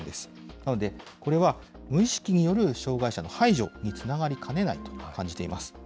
なので、これは無意識による障害者の排除につながりかねないと感じています。